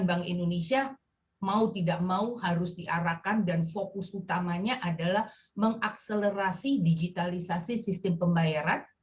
dan bank indonesia mau tidak mau harus diarahkan dan fokus utamanya adalah mengakselerasi digitalisasi sistem pembayaran